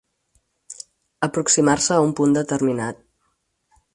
Aproximar-se a un punt determinat.